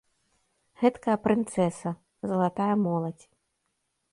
Гэткая прынцэса, залатая моладзь.